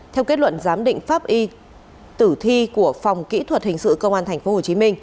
theo kết luận giám định pháp y tử thi của phòng kỹ thuật hình sự công an tp hcm